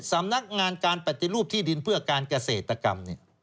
สำนักงานการปฏิรูปที่ดินเพื่อการเกษตรกรรม